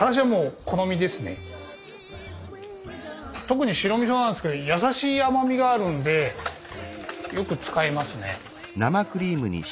特に白みそなんですけどやさしい甘みがあるんでよく使いますね。